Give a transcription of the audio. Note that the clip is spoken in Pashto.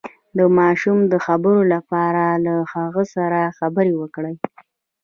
د ماشوم د خبرو لپاره له هغه سره خبرې وکړئ